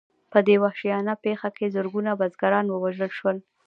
په دې وحشیانه پېښه کې زرګونه بزګران ووژل شول.